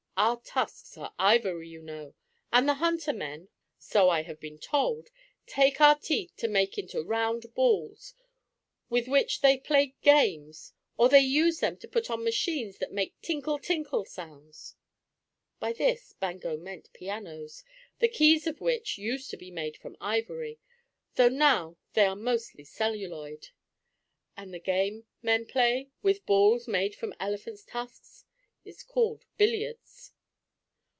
Our tusks are ivory, you know, and the hunter men, so I have been told, take our teeth to make into round balls, with which they play games, or they use them to put on machines that make tinkle tinkle sounds." By this Bango meant pianos, the keys of which used to be made from ivory, though now they are mostly celluloid. And the game men play, with balls made from elephants' tusks, is called billiards.